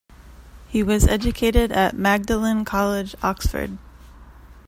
He was educated at Magdalen College, Oxford.